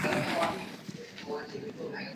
至少已有两名工人在这项危险的工作中遇难。